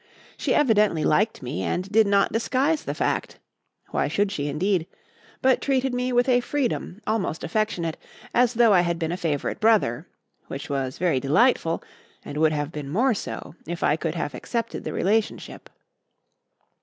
She evidently liked me and did not disguise the fact why should she indeed? but treated me with a freedom, almost affectionate, as though I had been a favourite brother; which was very delightful, and would have been more so if I could have accepted the relationship.